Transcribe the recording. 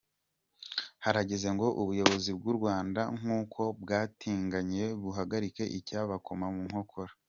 Harageze ngo ubuyobozi bw’ u Rwanda nk’ uko bwabitangiye buhagarike icyabakoma mu nkokora”.